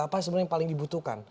apa sebenarnya yang paling dibutuhkan